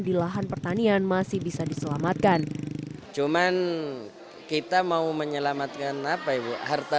di lahan pertanian masih bisa diselamatkan cuman kita mau menyelamatkan apa ibu harta